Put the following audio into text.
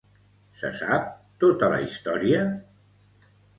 Se sap tota la història?